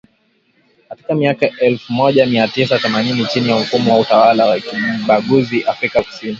katika miaka elfu moja mia tisa themanini chini ya mfumo wa utawala wa kibaguzi Afrika Kusini